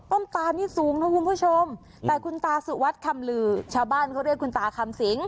ตานี่สูงนะคุณผู้ชมแต่คุณตาสุวัสดิคำลือชาวบ้านเขาเรียกคุณตาคำสิง